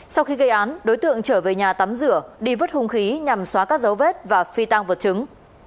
sau khi gây án đối tượng trở về nhà tắm rửa đi vứt hung khí nhằm xóa các dấu vết và phi tăng vật chứng